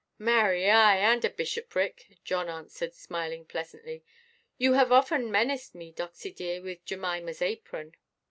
"Marry, ay, and a bishopric," John answered, smiling pleasantly; "you have often menaced me, Doxy dear, with Jemimaʼs apron."